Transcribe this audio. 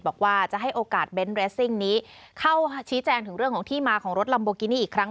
บอกว่าจะให้โอกาสเน้นเรสซิ่งนี้เข้าชี้แจงถึงเรื่องของที่มาของรถลัมโบกินี่อีกครั้ง